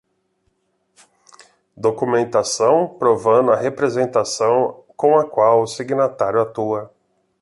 Documentação provando a representação com a qual o signatário atua.